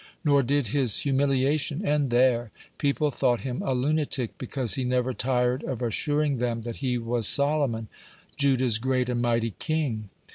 Nor did his humiliation end there; people thought him a lunatic, because he never tired of assuring them that he was Solomon, Judah's great and mighty king.